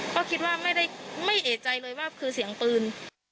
ก็คิดว่าไม่เอกใจเลยว่าคือเสียงปืน